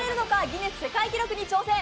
ギネス世界記録に挑戦。